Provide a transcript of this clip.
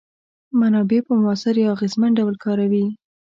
منابع په موثر یا اغیزمن ډول کاروي.